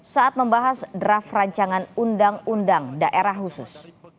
saat membahas draft rancangan undang undang daerah khusus